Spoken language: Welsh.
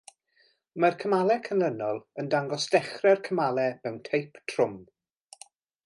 Mae'r cymalau canlynol yn dangos dechrau'r cymalau mewn teip trwm.